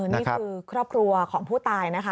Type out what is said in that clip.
นี่คือครอบครัวของผู้ตายนะคะ